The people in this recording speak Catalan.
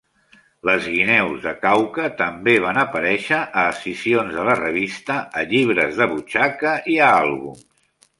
Les guineus de Kauka també van aparèixer a escissions de la revista, a llibres de butxaca i a àlbums.